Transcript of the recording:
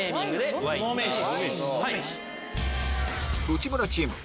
内村チーム